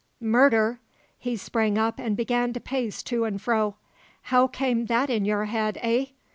"Murder?" He sprang up and began to pace to and fro. "How came that in your head, eh?"